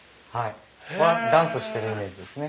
ダンスしてるイメージですね。